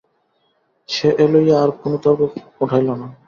সে এ লইয়া আর কোনও তর্ক উঠাইল না।